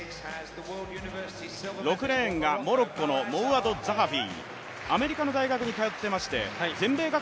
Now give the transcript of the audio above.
６レーンがモロッコのモウアド・ザハフィ、アメリカの大学に通いました。